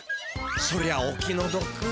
そりゃお気のどく。